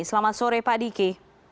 selamat sore pak diki